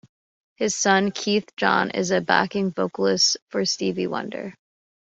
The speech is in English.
His son Keith John is a backing vocalist for Stevie Wonder.